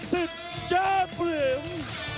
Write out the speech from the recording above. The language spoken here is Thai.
สิ่งสิทธิ์เจ๊ปริมเอาชนะชัดเปลี่ยนของเราครับ